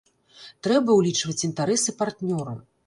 Трэба ўлічваць інтарэсы партнёра.